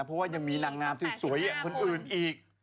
เพราะว่ายังมีนางงามที่สวยคนอื่นอีก